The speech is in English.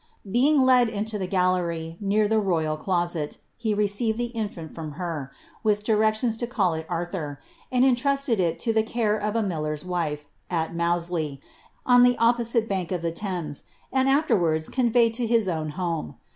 Being led into the gallery near the royal closet, he received the infant from her, with directions to call it Arthur, and intmsted it to the care of a miller's wife, at Mousely, on the opposite bank of the Thames, and afterwards conveyed it to his own house.